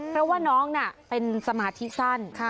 เพราะว่าน้องเป็นสมาธิสั้น